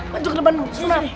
maju ke depan dulu